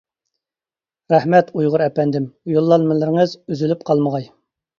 رەھمەت ئۇيغۇر ئەپەندىم، يوللانمىلىرىڭىز ئۈزۈلۈپ قالمىغاي!